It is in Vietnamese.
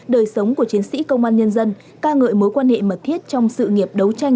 đời sống của chiến sĩ công an nhân dân ca ngợi mối quan hệ mật thiết trong sự nghiệp đấu tranh